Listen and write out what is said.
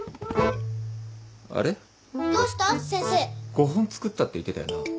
５本作ったって言ってたよな？